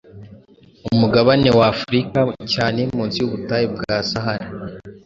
Umugabane wa Afurika cyane munsi y’ubutayu bwa sahara